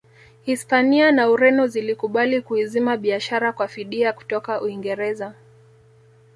Hispania na Ureno zilikubali kuizima biashara kwa fidia kutoka Uingereza